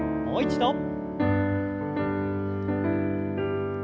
もう一度。